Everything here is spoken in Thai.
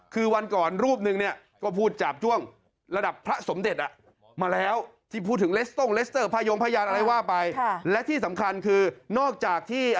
คือวันก่อนรูปนึงเนี่ยก็พูดจาบจ้องระดับพระสมเด็จอ่ะ